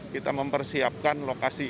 kita mempersiapkan lokasi ini